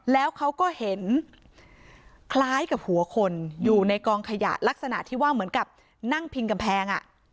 แล้วเขาก็เห็นคล้ายกับหัวคนอยู่ในกองขยะลักษณะที่ว่าเหมือนกับนั่งพิงกำแพง